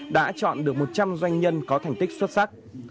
đã chọn được một trăm linh doanh nhân có thành tích xuất sắc